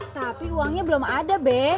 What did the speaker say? tapi uangnya belum ada be